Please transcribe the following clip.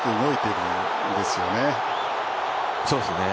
そうですね。